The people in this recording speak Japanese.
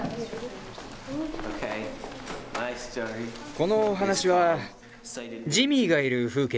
このお話は「ジミーがいる風景」だよ。